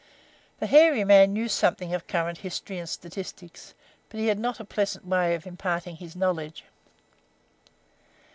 The hairy man knew something of current history and statistics, but he had not a pleasant way of imparting his knowledge.